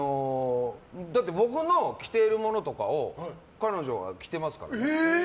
だって、僕の着ているものとかを彼女が着てますから。